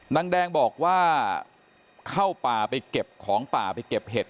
นางแดงบอกว่าเข้าป่าไปเก็บของป่าไปเก็บเห็ด